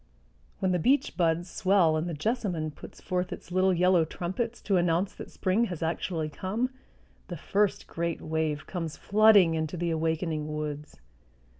When the beech buds swell and the jessamine puts forth its little yellow trumpets to announce that spring has actually come, the first great wave comes flooding into the awakening woods.